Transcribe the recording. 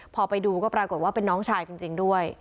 พอไปดูก็ปรากฏว่าเป็นน้องชายจริงด้วย